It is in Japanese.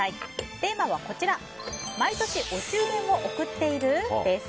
テーマは毎年お中元を贈っている？です。